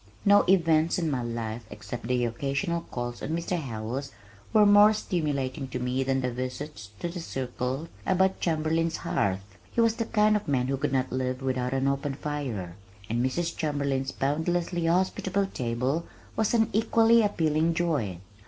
No events in my life except my occasional calls on Mr. Howells were more stimulating to me than my visits to the circle about Chamberlin's hearth (he was the kind of man who could not live without an open fire) and Mrs. Chamberlin's boundlessly hospitable table was an equally appealing joy.